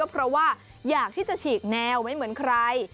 เพราะว่าอยากที่จะฉีกแนวไม่เหมือนใคร